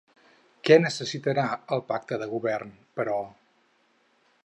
Què necessitarà el pacte de govern, però?